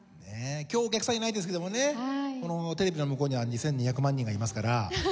今日お客さんいないですけどもねこのテレビの向こうには２２００万人がいますからはい。